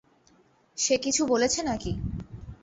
সে কিছু বলেছে নাকি?